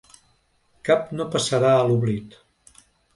Cap no passarà a l’oblit.